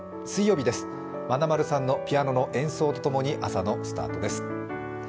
水曜日です、まなまるさんのピアノの演奏とともに朝のスタートです。